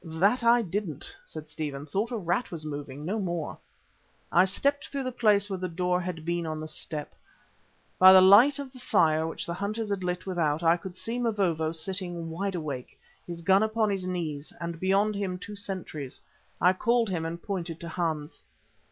"That I didn't," said Stephen; "thought a rat was moving, no more." I stepped through the place where the door had been on to the stoep. By the light of the fire which the hunters had lit without I could see Mavovo sitting wide awake, his gun upon his knees, and beyond him two sentries. I called him and pointed to Hans.